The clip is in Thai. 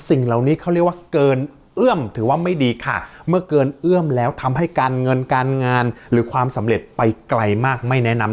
สิ่งเหล่านี้เขาเรียกว่าเกินเอื้อมถือว่าไม่ดีค่ะเมื่อเกินเอื้อมแล้วทำให้การเงินการงานหรือความสำเร็จไปไกลมากไม่แนะนำ